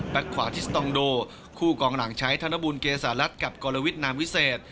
ขวาที่สตองโดคู่กองหลังใช้ธนบุญเกษารัฐกับกรวิทนามวิเศษ